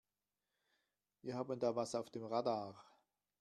Wir haben da was auf dem Radar.